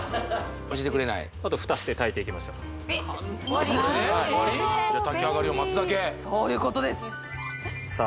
教えてくれないあとフタして炊いていきましょう炊き上がりを待つだけそういうことですさあ